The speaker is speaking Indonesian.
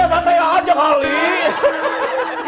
biasa tayangan aja kali